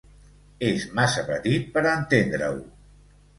És massa petit per a entendre-ho.